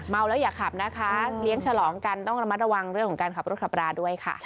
เมาแล้วอย่าขับนะคะเลี้ยงฉลองกันต้องระมัดระวังเรื่องของการขับรถขับราด้วยค่ะ